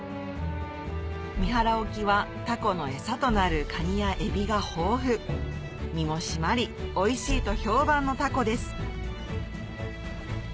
三原沖はタコの餌となるカニやエビが豊富身も締まりおいしいと評判のタコです